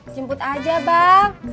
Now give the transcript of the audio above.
jemput aja bang